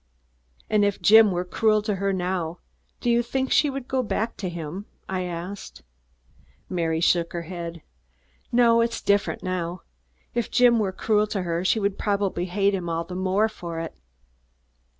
"And if Jim were cruel to her now, do you think she would go back to him?" I asked. Mary shook her head. "No, it's different now. If Jim were cruel to her, she would probably hate him all the more for it."